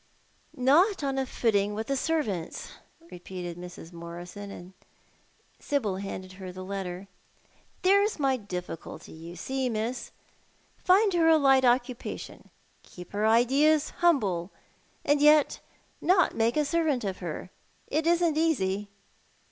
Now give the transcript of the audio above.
" Not on a footing with the servants," repeated I\lrs. i\Iorison, as Sibyl handed her the letter. "There's my difficulty, you see, ^Miss. Find her light occupation — keep her ideas humble — and yet not make a servant of h(;r. It isn't easy."